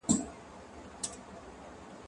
زه اوږده وخت مځکي ته ګورم وم!.